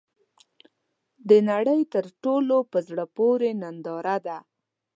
د نړۍ تر ټولو ، په زړه پورې ننداره ده .